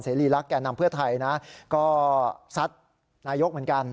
รีรักแก่นำเพื่อไทยนะก็ซัดนายกเหมือนกัน